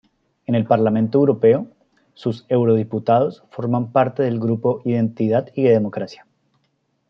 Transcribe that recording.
En el Parlamento Europeo, sus eurodiputados forman parte del grupo Identidad y Democracia.